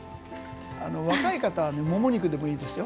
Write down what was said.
若い方はもも肉でもいいですよ。